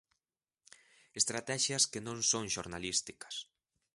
Estratexias que non son xornalísticas.